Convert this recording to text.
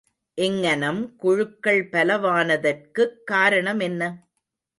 இங்ஙனம் குழுக்கள் பலவானதற்குக் காரணமென்ன?